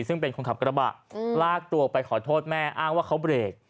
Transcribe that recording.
ซึ่งเป็นคนขับกระบะลากตัวไปขอโทษแม่อ้างว่าเขาเบรก